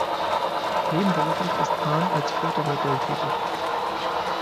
Nebenberuflich ist Ahn als Fotomodell tätig.